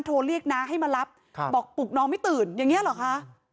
โทรเรียกน้าให้มารับบอกปลุกน้องไม่ตื่นอย่างนี้เหรอคะ